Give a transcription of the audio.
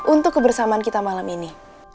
untuk kebersamaan kita malam ini